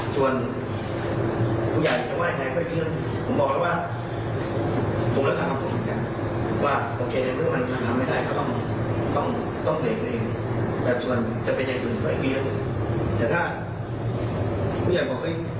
เจ้าบอกว่าในนักทีนี้มันหาใครไม่ทันอาจต้องเชิญไอ้วัดแต่วิทยาจากคุณส่งชัย